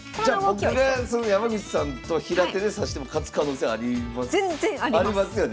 じゃあ僕が山口さんと平手で指しても勝つ可能性あります？